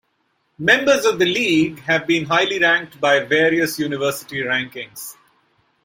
Members of the League have been highly ranked by various university rankings.